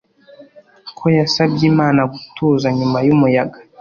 ko yasabye imana gutuza nyuma yumuyaga